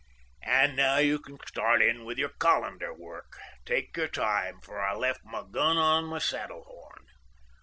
'And now you can start in with your colander work. Take your time; for I left my gun on my saddle horn.